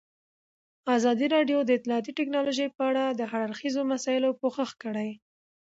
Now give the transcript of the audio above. ازادي راډیو د اطلاعاتی تکنالوژي په اړه د هر اړخیزو مسایلو پوښښ کړی.